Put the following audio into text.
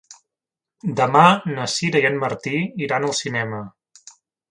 Demà na Sira i en Martí iran al cinema.